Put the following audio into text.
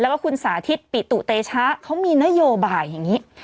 แล้วก็คุณสาธิตปิตุเตชะเขามีนโยบายอย่างนี้